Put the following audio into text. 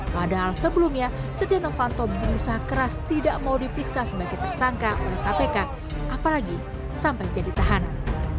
padahal sebelumnya setia novanto berusaha keras tidak mau diperiksa sebagai tersangka oleh kpk apalagi sampai jadi tahanan